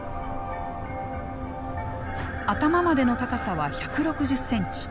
頭までの高さは１６０センチ。